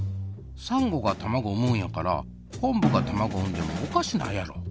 サンゴがたまごを産むんやから昆布がたまごを産んでもおかしないやろ？